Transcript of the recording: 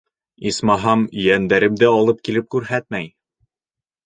Исмаһам, ейәндәремде алып килеп күрһәтмәй.